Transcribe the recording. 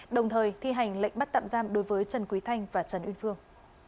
đồng thời thi hành lệnh bắt tạm giam đối với trần quý thanh và trần uyên phương